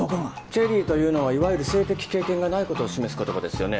チェリーというのはいわゆる性的経験がないことを示す言葉ですよね。